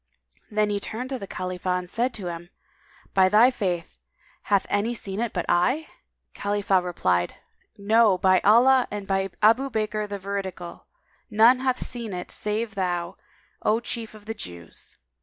Then he turned to Khalifah and said to him, "By thy faith, hath any seen it but I?" Khalifah replied, "No, by Allah, and by Abu Bakr the Veridical, [FN#204] none hath seen it save thou, O chief of the Jews!"